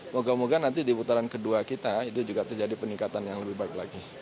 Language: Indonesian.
moga moga nanti di putaran kedua kita itu juga terjadi peningkatan yang lebih baik lagi